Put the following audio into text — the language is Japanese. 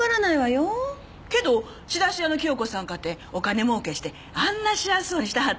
けど仕出屋の清子さんかてお金もうけしてあんな幸せそうにしてはったやないですか。